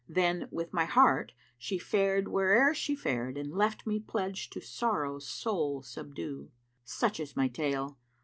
Then with my heart she fared where'er she fared * And left me pledged to sorrows soul subdue. Such is my tale!